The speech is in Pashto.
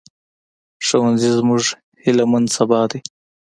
ښوونځی زموږ هيلهمن سبا دی